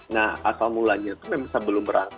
nah asal mulanya itu memang sebelum berangkat